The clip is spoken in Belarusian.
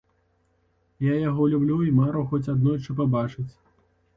Я яго люблю і мару хоць аднойчы пабачыць.